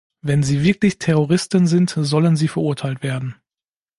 Wenn sie wirklich Terroristen sind, sollen sie verurteilt werden.